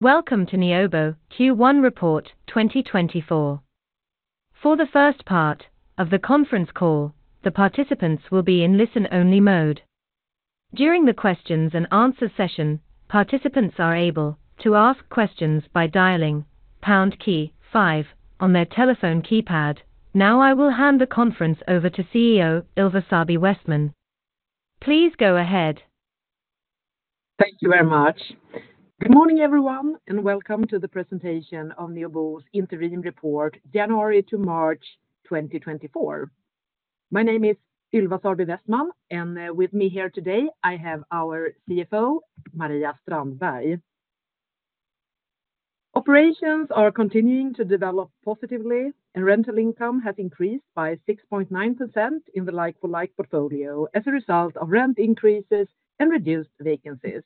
Welcome to Neobo Q1 Report 2024. For the first part of the conference call, the participants will be in listen-only mode. During the questions-and-answers session, participants are able to ask questions by dialing pound key five on their telephone keypad. Now I will hand the conference over to CEO Ylva Sarby Westman. Please go ahead. Thank you very much. Good morning, everyone, and welcome to the presentation of Neobo's interim report January to March 2024. My name is Ylva Sarby Westman, and with me here today I have our CFO, Maria Strandberg. Operations are continuing to develop positively, and rental income has increased by 6.9% in the like-for-like portfolio as a result of rent increases and reduced vacancies.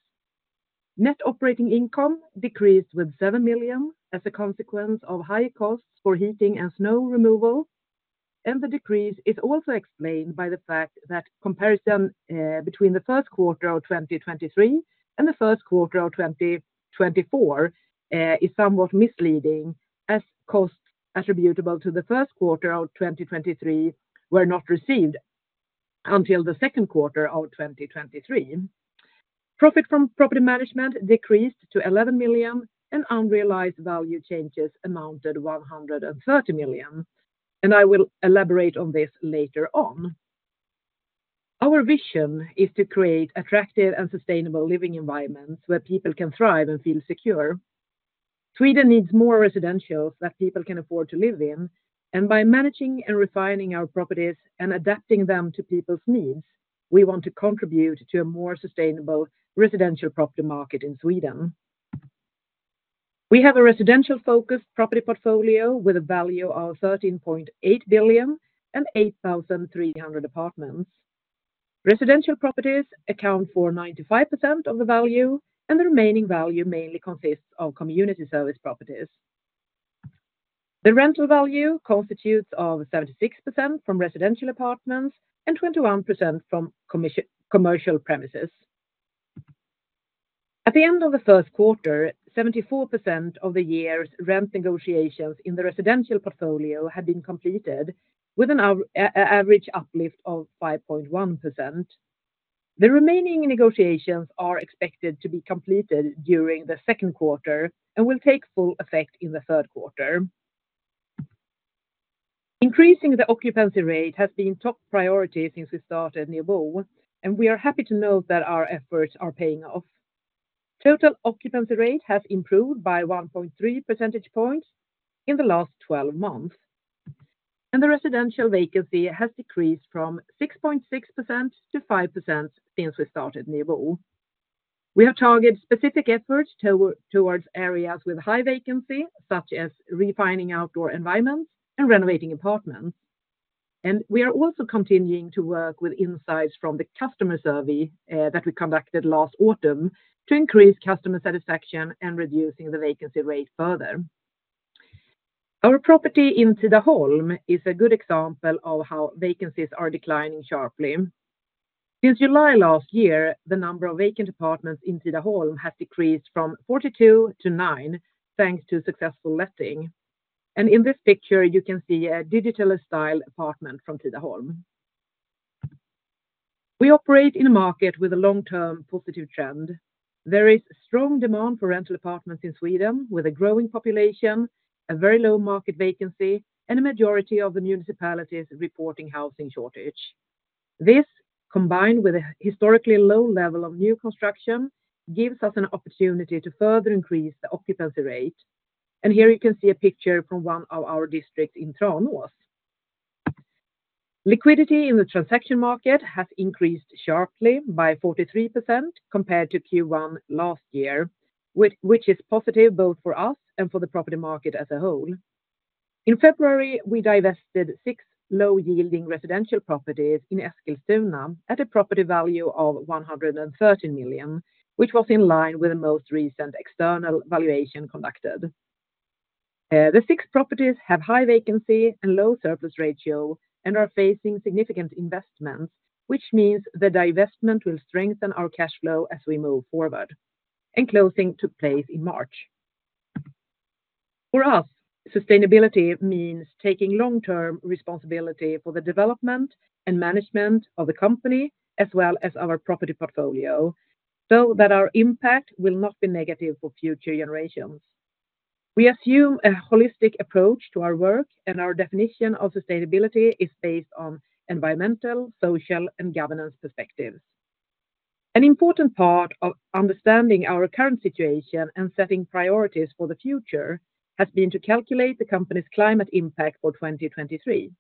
Net operating income decreased with 7 million as a consequence of higher costs for heating and snow removal, and the decrease is also explained by the fact that comparison between the first quarter of 2023 and the first quarter of 2024 is somewhat misleading as costs attributable to the first quarter of 2023 were not received until the second quarter of 2023. Profit from property management decreased to 11 million, and unrealized value changes amounted to 130 million, and I will elaborate on this later on. Our vision is to create attractive and sustainable living environments where people can thrive and feel secure. Sweden needs more residentials that people can afford to live in, and by managing and refining our properties and adapting them to people's needs, we want to contribute to a more sustainable residential property market in Sweden. We have a residential-focused property portfolio with a value of 13.8 billion and 8,300 apartments. Residential properties account for 95% of the value, and the remaining value mainly consists of community service properties. The rental value constitutes 76% from residential apartments and 21% from commercial premises. At the end of the first quarter, 74% of the year's rent negotiations in the residential portfolio had been completed, with an average uplift of 5.1%. The remaining negotiations are expected to be completed during the second quarter and will take full effect in the third quarter. Increasing the occupancy rate has been top priority since we started Neobo, and we are happy to note that our efforts are paying off. Total occupancy rate has improved by 1.3 percentage points in the last 12 months, and the residential vacancy has decreased from 6.6% to 5% since we started Neobo. We have targeted specific efforts towards areas with high vacancy, such as refining outdoor environments and renovating apartments, and we are also continuing to work with insights from the customer survey that we conducted last autumn to increase customer satisfaction and reduce the vacancy rate further. Our property in Tidaholm is a good example of how vacancies are declining sharply. Since July last year, the number of vacant apartments in Tidaholm has decreased from 42 to nine thanks to successful letting, and in this picture you can see a digitally styled apartment from Tidaholm. We operate in a market with a long-term positive trend. There is strong demand for rental apartments in Sweden, with a growing population, a very low market vacancy, and a majority of the municipalities reporting housing shortage. This, combined with a historically low level of new construction, gives us an opportunity to further increase the occupancy rate, and here you can see a picture from one of our districts in Tranås. Liquidity in the transaction market has increased sharply by 43% compared to Q1 last year, which is positive both for us and for the property market as a whole. In February, we divested six low-yielding residential properties in Eskilstuna at a property value of 113 million, which was in line with the most recent external valuation conducted. The six properties have high vacancy and low surplus ratio and are facing significant investments, which means the divestment will strengthen our cash flow as we move forward. Closing took place in March. For us, sustainability means taking long-term responsibility for the development and management of the company as well as our property portfolio, so that our impact will not be negative for future generations. We assume a holistic approach to our work, and our definition of sustainability is based on environmental, social, and governance perspectives. An important part of understanding our current situation and setting priorities for the future has been to calculate the company's climate impact for 2023.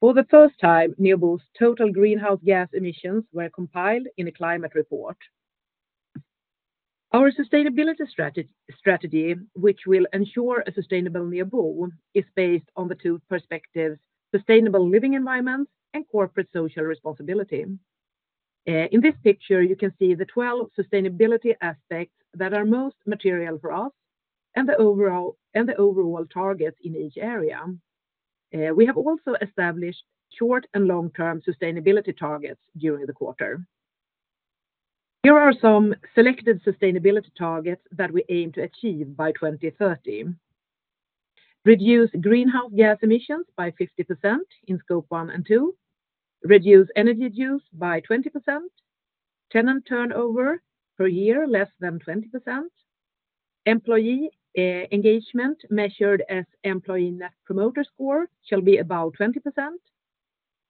For the first time, Neobo's total greenhouse gas emissions were compiled in a climate report. Our sustainability strategy, which will ensure a sustainable Neobo, is based on the two perspectives: sustainable living environments and corporate social responsibility. In this picture, you can see the 12 sustainability aspects that are most material for us and the overall targets in each area. We have also established short and long-term sustainability targets during the quarter. Here are some selected sustainability targets that we aim to achieve by 2030: reduce greenhouse gas emissions by 50% in Scope 1 and 2, reduce energy use by 20%, tenant turnover per year less than 20%, employee engagement measured as Employee Net Promoter Score shall be about 20%,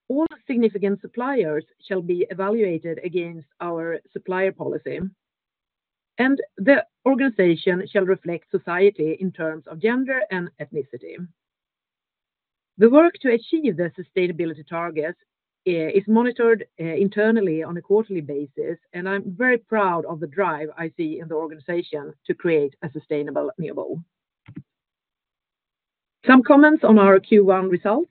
all significant suppliers shall be evaluated against our supplier policy, and the organization shall reflect society in terms of gender and ethnicity. The work to achieve the sustainability targets is monitored internally on a quarterly basis, and I'm very proud of the drive I see in the organization to create a sustainable Neobo. Some comments on our Q1 results: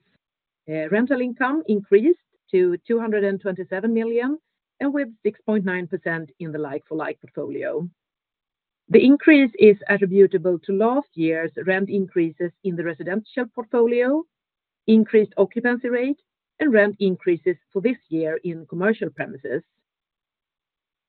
rental income increased to 227 million and with 6.9% in the like-for-like portfolio. The increase is attributable to last year's rent increases in the residential portfolio, increased occupancy rate, and rent increases for this year in commercial premises.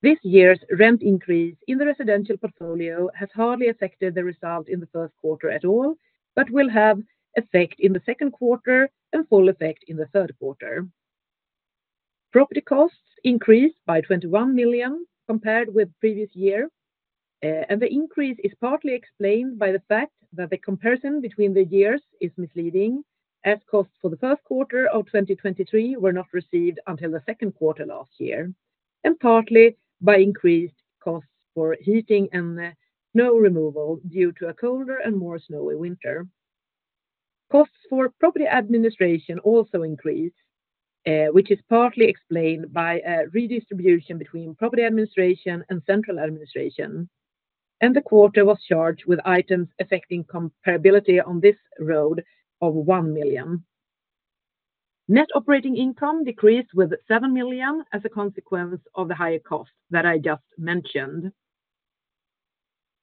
This year's rent increase in the residential portfolio has hardly affected the result in the first quarter at all but will have effect in the second quarter and full effect in the third quarter. Property costs increased by 21 million compared with the previous year, and the increase is partly explained by the fact that the comparison between the years is misleading as costs for the first quarter of 2023 were not received until the second quarter last year, and partly by increased costs for heating and snow removal due to a colder and more snowy winter. Costs for property administration also increased, which is partly explained by a redistribution between property administration and central administration, and the quarter was charged with items affecting comparability in this regard of 1 million. Net operating income decreased with 7 million as a consequence of the higher costs that I just mentioned.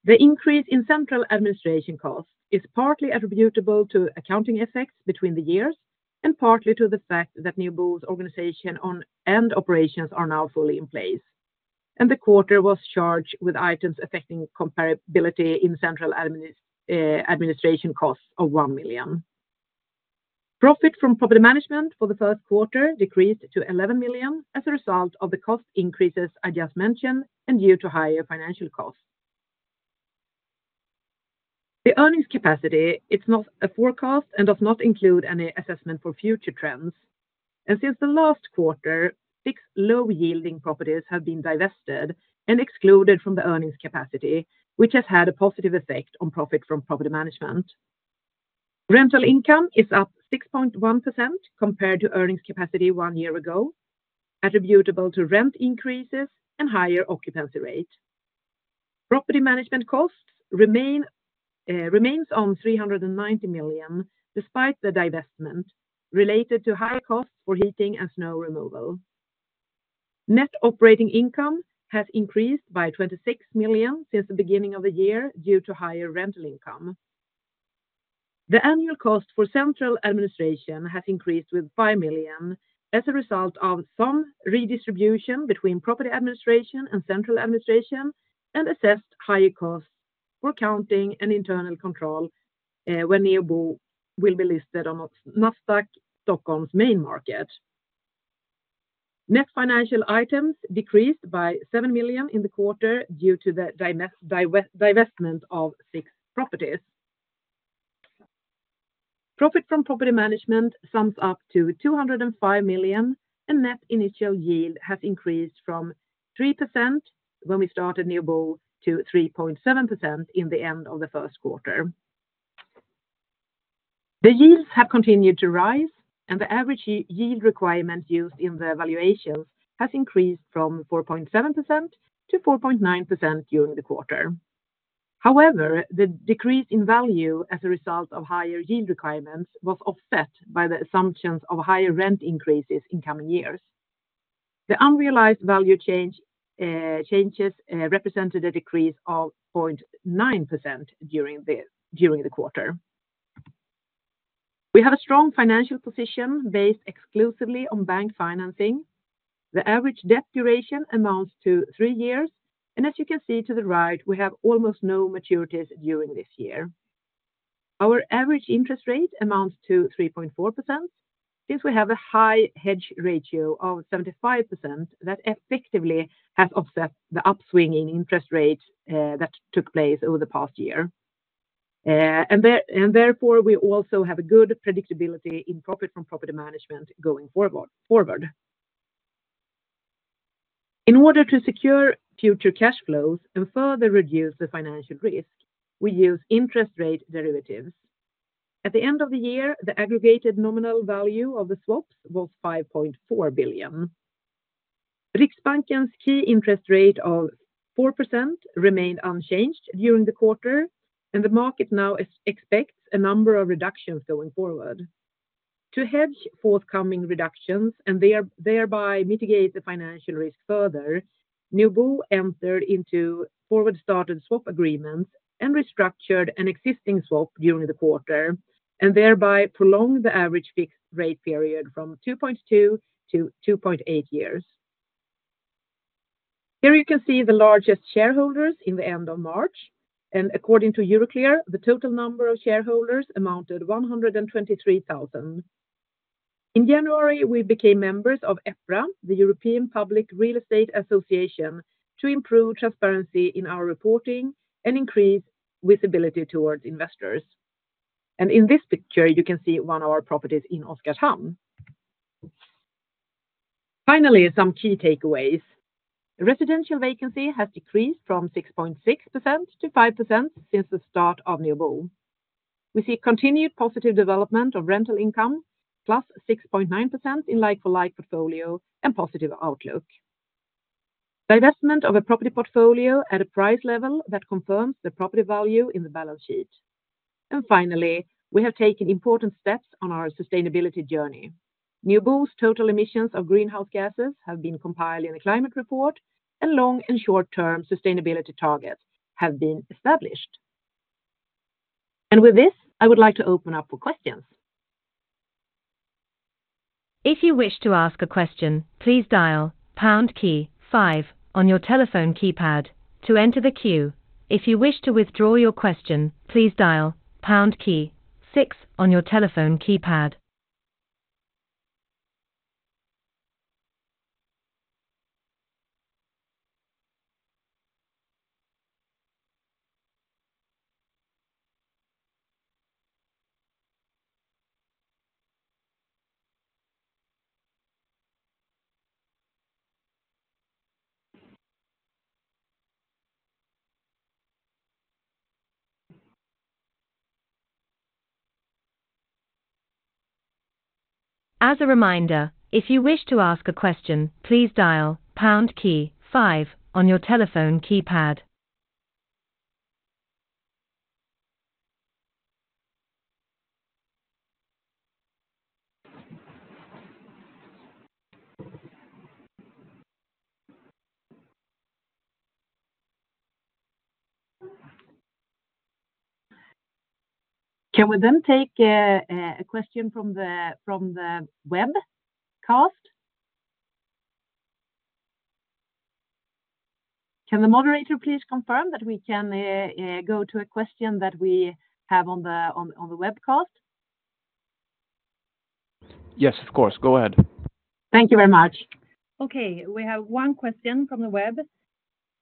The increase in central administration costs is partly attributable to accounting effects between the years and partly to the fact that Neobo's organization and operations are now fully in place, and the quarter was charged with items affecting comparability in central administration costs of 1 million. Profit from property management for the first quarter decreased to 11 million as a result of the cost increases I just mentioned and due to higher financial costs. The earnings capacity: it's not a forecast and does not include any assessment for future trends, and since the last quarter, six low-yielding properties have been divested and excluded from the earnings capacity, which has had a positive effect on profit from property management. Rental income is up 6.1% compared to earnings capacity one year ago, attributable to rent increases and higher occupancy rate. Property management costs remain on 390 million despite the divestment, related to higher costs for heating and snow removal. Net operating income has increased by 26 million since the beginning of the year due to higher rental income. The annual cost for central administration has increased with 5 million as a result of some redistribution between property administration and central administration and assessed higher costs for accounting and internal control when Neobo will be listed on Nasdaq Stockholm's main market. Net financial items decreased by 7 million in the quarter due to the divestment of six properties. Profit from property management sums up to 205 million, and net initial yield has increased from 3% when we started Neobo to 3.7% in the end of the first quarter. The yields have continued to rise, and the average yield requirement used in the valuations has increased from 4.7% to 4.9% during the quarter. However, the decrease in value as a result of higher yield requirements was offset by the assumptions of higher rent increases in coming years. The unrealized value changes represented a decrease of 0.9% during the quarter. We have a strong financial position based exclusively on bank financing. The average debt duration amounts to three years, and as you can see to the right, we have almost no maturities during this year. Our average interest rate amounts to 3.4% since we have a high hedge ratio of 75% that effectively has offset the upswing in interest rates that took place over the past year, and therefore we also have a good predictability in profit from property management going forward. In order to secure future cash flows and further reduce the financial risk, we use interest rate derivatives. At the end of the year, the aggregated nominal value of the swaps was 5.4 billion. Riksbanken's key interest rate of 4% remained unchanged during the quarter, and the market now expects a number of reductions going forward. To hedge forthcoming reductions and thereby mitigate the financial risk further, Neobo entered into forward-started swap agreements and restructured an existing swap during the quarter and thereby prolonged the average fixed-rate period from 2.2-2.8 years. Here you can see the largest shareholders at the end of March, and according to Euroclear, the total number of shareholders amounted to 123,000. In January, we became members of EPRA, the European Public Real Estate Association, to improve transparency in our reporting and increase visibility towards investors, and in this picture you can see one of our properties in Oskarshamn. Finally, some key takeaways: residential vacancy has decreased from 6.6% to 5% since the start of Neobo. We see continued positive development of rental income, +6.9% in like-for-like portfolio and positive outlook. Divestment of a property portfolio at a price level that confirms the property value in the balance sheet. Finally, we have taken important steps on our sustainability journey. Neobo's total emissions of greenhouse gases have been compiled in a climate report, and long- and short-term sustainability targets have been established. With this, I would like to open up for questions. If you wish to ask a question, please dial pound key five on your telephone keypad to enter the queue. If you wish to withdraw your question, please dial pound key six on your telephone keypad. As a reminder, if you wish to ask a question, please dial pound key five on your telephone keypad. Can we then take a question from the webcast? Can the moderator please confirm that we can go to a question that we have on the webcast? Yes, of course. Go ahead. Thank you very much. Okay, we have one question from the web: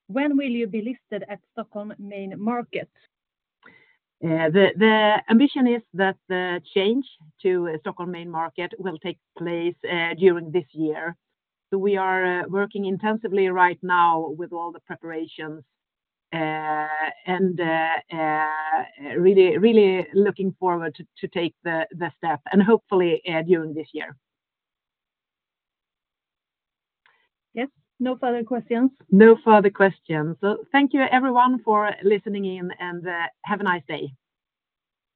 "When will you be listed at Stockholm main market?" The ambition is that the change to Stockholm main market will take place during this year, so we are working intensively right now with all the preparations and really looking forward to taking the step, and hopefully during this year. Yes? No further questions? No further questions. Thank you, everyone, for listening in, and have a nice day.